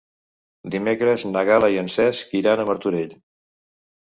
Dimecres na Gal·la i en Cesc iran a Martorell.